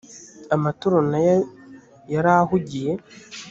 amatorero na yo yari ahugiye